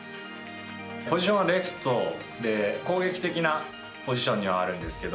ポジションはレフトで攻撃的なポジションではあるんですけど